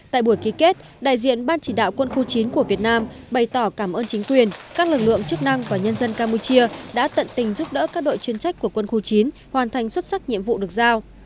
tại buổi ký kết đại diện ban chỉ đạo quân khu chín của việt nam bày tỏ cảm ơn chính quyền các lực lượng chức năng và nhân dân campuchia đã tận tình giúp đỡ các đội chuyên trách của quân khu chín hoàn thành xuất sắc nhiệm vụ được giao